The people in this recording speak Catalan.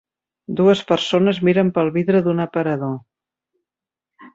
Dues persones miren pel vidre d'un aparador.